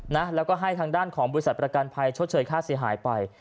นะแล้วก็ให้ทางด้านของบริษัทประกันภัยชดเชยค่าเสียหายไป